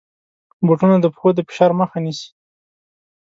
بوټونه د پښو د فشار مخه نیسي.